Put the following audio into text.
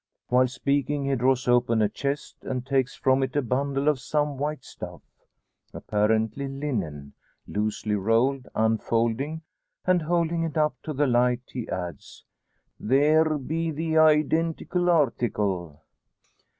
While speaking, he draws open a chest, and takes from it a bundle of some white stuff apparently linen loosely rolled. Unfolding, and holding it up to the light, he adds: "Theer be the eydentical article!"